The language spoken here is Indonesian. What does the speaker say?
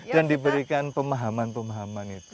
dan diberikan pemahaman pemahaman itu